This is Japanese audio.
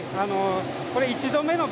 １度目の